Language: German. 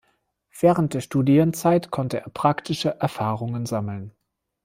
Während der Studienzeit konnte er praktische Erfahrungen sammeln.